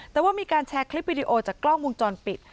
แต่ว่ามีการแชร์คลิปวิดีโอจากกล้องวงจรปิด